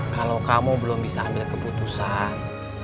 kalau kamu belum bisa ambil keputusan